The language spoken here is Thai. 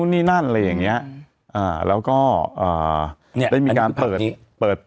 นี่นั่นอะไรอย่างเงี้ยอ่าแล้วก็อ่าเนี้ยได้มีการเปิดเปิด